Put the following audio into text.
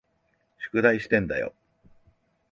宿題してんだよ。